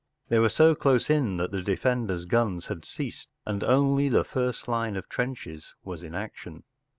They were so close in that the defender’s guns had ceased, and only the first line of trenches was in action.